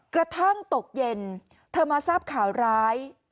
กระทั่งตกเย็นเธอมาทราบข่าวร้าย